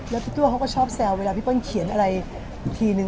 แล้วพี่ตัวเขาก็ชอบแซวเวลาพี่เปิ้ลเขียนอะไรอีกทีนึง